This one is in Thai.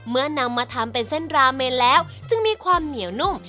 นำมาทำเป็นเส้นราเมนแล้วจึงมีความเหนียวนุ่ม